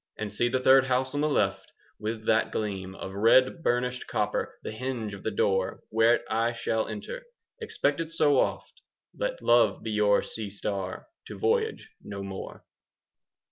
And see the third house on the left, with that gleam 20 Of red burnished copper—the hinge of the door Whereat I shall enter, expected so oft (Let love be your sea star!), to voyage no more.